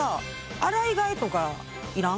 洗い替えとかいらん？